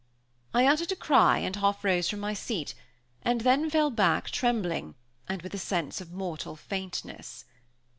I uttered a cry and half rose from my seat, and then fell back trembling, and with a sense of mortal faintness.